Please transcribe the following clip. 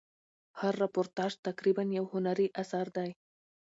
هر راپورتاژ تقریبآ یو هنري اثر دئ.